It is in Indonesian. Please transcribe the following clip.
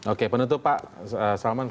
oke penutup pak salman